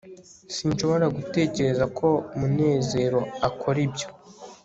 sinshobora gutekereza ko munezero akora ibyo